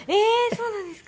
そうなんですか？